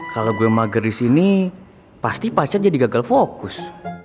kalau gue mager di sini pasti pacar jadi gagal fokus